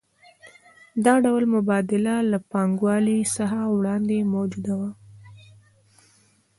دا ډول مبادله له پانګوالۍ څخه وړاندې موجوده وه